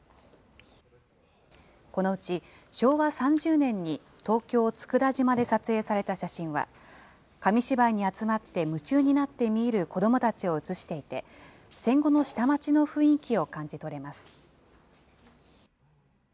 このうち、昭和３０年に東京・佃島で撮影された写真は、紙芝居に集まって夢中になって見入る子どもたちを写していて、戦後の下町の雰囲気を感じ取れます。